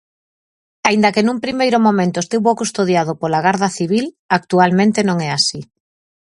Aínda que nun primeiro momento estivo custodiado pola Garda Civil, actualmente non é así.